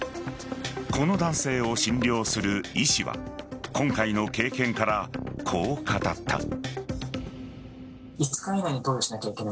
この男性を診療する医師は今回の経験から、こう語った。